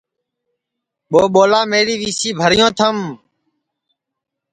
ٻو ٻولا میری وی سی بھریو تھم